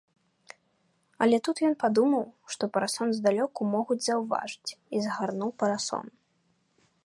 Але тут ён падумаў, што парасон здалёку могуць заўважыць і згарнуў парасон.